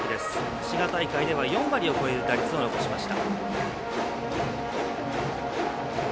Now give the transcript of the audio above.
滋賀大会では４割を超える打率を残しました。